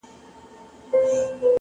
اراده د داخلي ضعف پر وړاندې ولاړه وي.!